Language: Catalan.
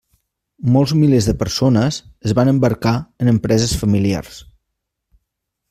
Molts milers de persones es van embarcar en empreses familiars.